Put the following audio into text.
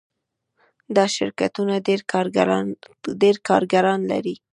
دا شرکتونه ډیر کارګران لري.